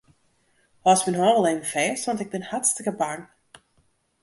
Hâldst myn hân wol even fêst, want ik bin hartstikke bang.